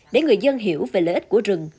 để người dân hiểu về lợi ích của rừng